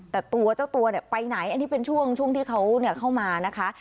แต่ตัวเจ้าตัวเนี่ยไปไหนอันนี้เป็นช่วงที่เขาเข้ามานะคะ